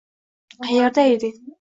“Qayerda eding?”